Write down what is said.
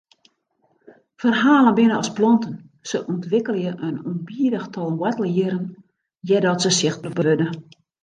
Ferhalen binne as planten, se ûntwikkelje in ûnbidich tal woartelhierren eardat se sichtber wurde.